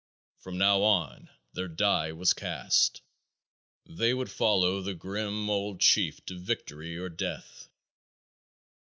From now on their die was cast. They would follow the grim old chief to victory or death.